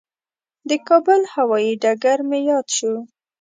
د کابل هوایي ډګر مې یاد شو.